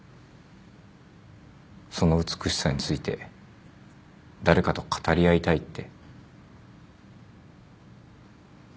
その美しさについて誰かと語り合いたいって。